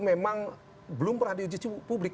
memang belum pernah diuji publik